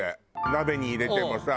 鍋に入れてもさ